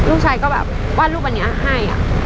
ลูกชายก็แบบวาดรูปอันนี้ให้